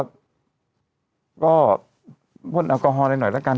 ต้องกินอัลกอฮอลอะไรหน่อยแล้วกัน